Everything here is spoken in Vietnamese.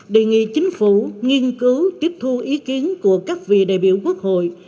đề nghị chính phủ nghiên cứu tiếp thu ý kiến của các vị đại biểu quốc hội